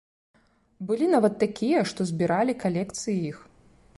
Былі нават такія, што збіралі калекцыі іх.